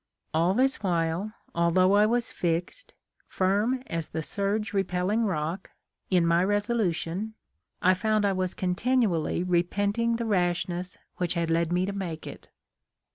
" All this while, although I was fixed, ' firm as the surge repelling rock,' in my resolution, I found I was continually repenting the rashness which had led me to make it.